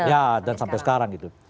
ya dan sampai sekarang gitu